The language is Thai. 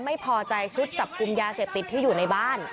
ไม่พอใจชุดจับกลุ่มยาเสพติดที่อยู่ในบ้าน